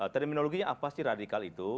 terminologinya apa sih radikal itu